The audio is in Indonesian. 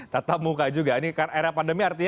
tatap muka juga ini kan era pandemi artinya